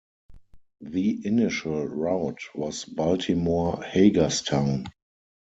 The initial route was Baltimore-Hagerstown.